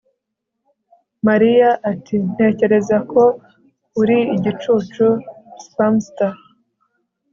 Mariya ati Ntekereza ko uri igicucu Spamster